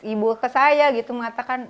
ibu ke saya gitu mengatakan